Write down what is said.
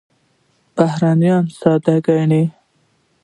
بهیرونه ساده ګڼي.